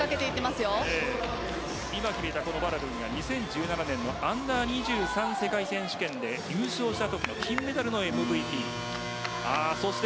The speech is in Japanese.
今決めたバラドゥンは２０１７年のアンダー２３世界選手権で優勝したときのエースでした。